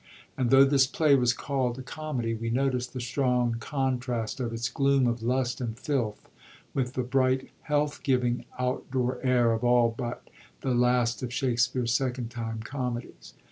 And though this play was calld a comedy, we notice the strong contrast of its gloom of lust and filth with the bright, health giving, out door air of all hut the last of Shakspere^s second time comedies.